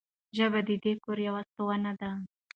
ژبه د دې کور یو ستون دی.